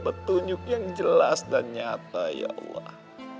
petunjuk yang jelas dan nyata ya allah